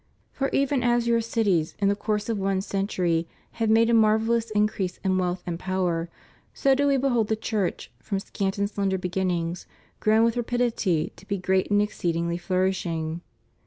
For even as your cities, in the course of one century, have made a marvellous increase in wealth and power, so do we behold the Church, from scant and slender beginnings, grown with rapidity to be great and exceedingly flourishing.